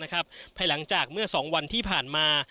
ภายหลังจากเมื่อ๒วันที่ผ่านมา